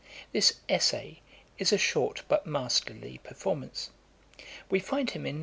This 'Essay' is a short but masterly performance. We find him in No.